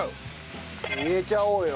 入れちゃおうよ。